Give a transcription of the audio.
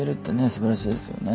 すばらしいですよね。